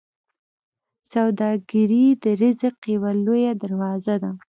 سوداګري د رزق یوه لویه دروازه ده.